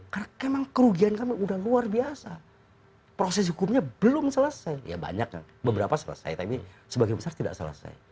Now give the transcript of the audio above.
karena memang kerugian kami udah luar biasa proses hukumnya belum selesai ya banyak kan beberapa selesai tapi sebagian besar tidak selesai